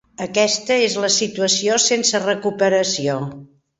Aquesta és la situació sense recuperació.